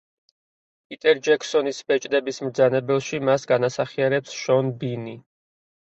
პიტერ ჯექსონის „ბეჭდების მბრძანებელში“ მას განასახიერებს შონ ბინი.